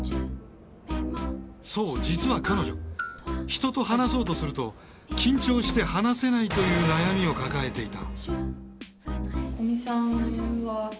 そう実は彼女人と話そうとすると緊張して話せないという悩みを抱えていた。